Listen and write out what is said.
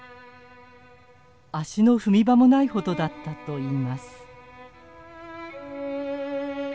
足の踏み場もないほどだったといいます。